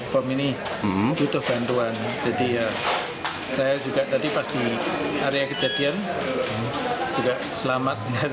bom ini butuh bantuan jadi ya saya juga tadi pas di area kejadian juga selamat